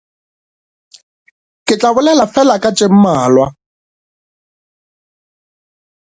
Ke tla bolela fela ka tše mmalwa.